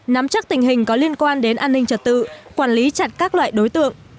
nắm chắc tình hình có liên quan đến an ninh trật tự quản lý chặt các loại đối tượng